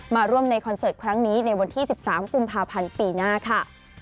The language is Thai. มาร่วมในคอนเสิร์ตครั้งนี้ในวันที่๑๓กุมภาพันธ์ปีหน้าค่ะ